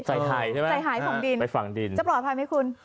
ใส่ไทยใช่ไหมใจหายฝั่งดินไปฝั่งดินจะปลอดภัยไหมคุณ